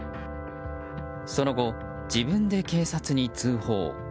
その後、自分で警察に通報。